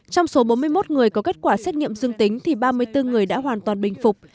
trong số bốn mươi một người có kết quả xét nghiệm dương tính thì ba mươi bốn người đã hoàn toàn bình phục